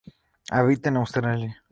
Habita en Australia,